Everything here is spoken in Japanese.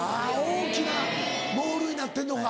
大きなモールになってんのか。